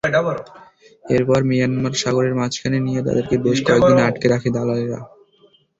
এরপর মিয়ানমার সাগরের মাঝখানে নিয়ে তাদেরকে বেশ কয়েক দিন আটকে রাখে দালালেরা।